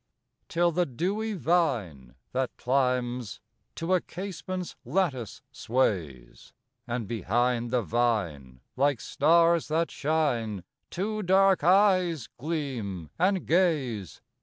Till the dewy vine, that climbs To a casement's lattice, sways; And behind the vine, like stars that shine, Two dark eyes gleam and gaze.